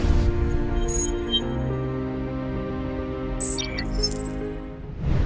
perkara yang terjadi di indonesia